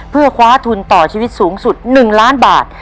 เพื่อคว้าทุนต่อชีวิตสูงสุด๑ล้านบาท